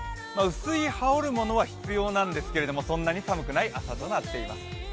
薄い羽織るものは必要なんですがそんなに寒くない朝となっています。